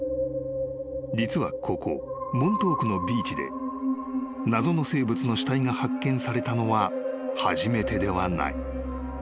［実はここモントークのビーチで謎の生物の死体が発見されたのは初めてではない］